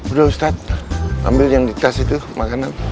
udah ustadz ambil yang di tas itu makanan